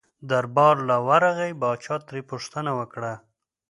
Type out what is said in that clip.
دربار له ورغی پاچا ترې پوښتنه وکړله.